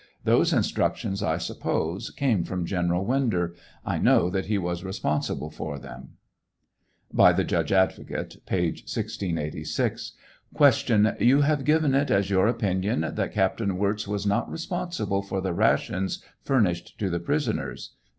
Those instructions, I suppose, came from General Winder. I know that he was responsible for them. r * By the Judge Advocate: (Page 1686.) Q. You have given it as your opinion that Captain Wirz was not responsible for the rations furnished to the prisoners